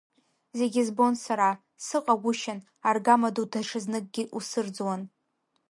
Зегьы збон сара, сыҟагәышьан, аргамаду даҽазныкгьы усырӡуан.